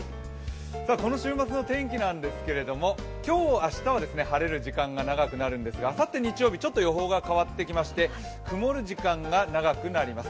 この週末の天気なんですけれども、今日・明日は晴れる時間が長くなるんですが、あさって日曜日、ちょっと予報が変わってきまして、曇る時間が長くなります。